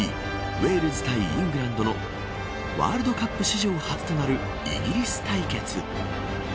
ウェールズ対イングランドのワールドカップ史上初となるイギリス対決。